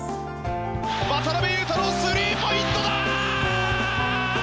渡邊雄太のスリーポイントだ！